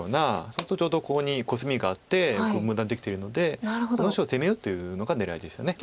そうするとちょうどここにコスミがあって分断できてるのでこの石を攻めようというのが狙いですよね。